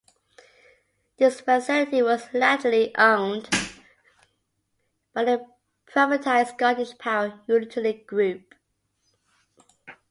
This facility was latterly owned by the privatised Scottish Power utility group.